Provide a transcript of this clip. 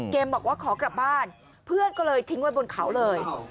บอกว่าขอกลับบ้านเพื่อนก็เลยทิ้งไว้บนเขาเลย